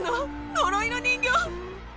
呪いの人形？